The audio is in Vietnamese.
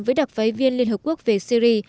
với đặc phái viên liên hợp quốc về syri